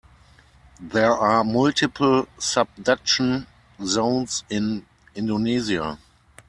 There are multiple subduction zones in Indonesia.